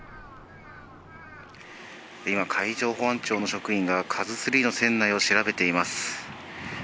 今、海上保安庁の職員が、カズスリーの船内を調べています。